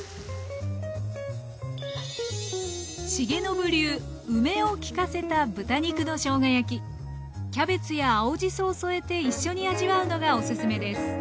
重信流梅を効かせたキャベツや青じそを添えて一緒に味わうのがおすすめです